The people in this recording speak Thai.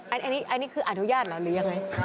อันนี้คืออนุญาตเหรอนี่